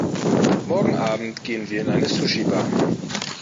Morgen Abend gehen wir in eine Sushibar.